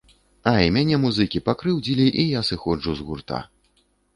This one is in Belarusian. Ай, мяне музыкі пакрыўдзілі і я сыходжу з гурта.